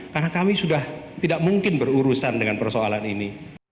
karena kami sudah tidak mungkin berurusan dengan persoalan ini